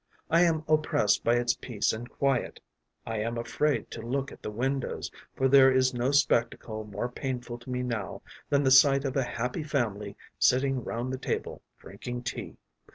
I am oppressed by its peace and quiet; I am afraid to look at the windows, for there is no spectacle more painful to me now than the sight of a happy family sitting round the table drinking tea.